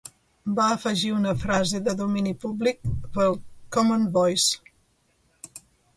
Va afegir una frase de domini públic per al Common Voice.